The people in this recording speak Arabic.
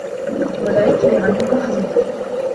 وَلَا يَطْوِي عَنْهُ مَخْزُونًا